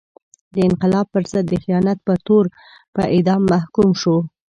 د انقلاب پر ضد د خیانت په تور په اعدام محکوم شو.